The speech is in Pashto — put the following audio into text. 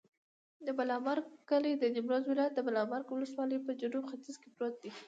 د بالامرګ کلی د نیمروز ولایت، بالامرګ ولسوالي په جنوب ختیځ کې پروت دی.